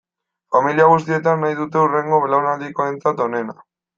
Familia guztietan nahi dute hurrengo belaunaldikoentzat onena.